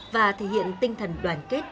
và thể hiện tinh thần đoàn kết